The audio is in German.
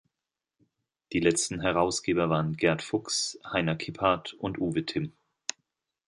Die letzten Herausgeber waren Gerd Fuchs, Heinar Kipphardt und Uwe Timm.